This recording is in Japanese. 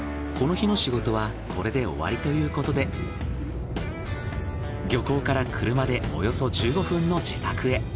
この日の仕事はこれで終わりということで漁港から車でおよそ１５分の自宅へ。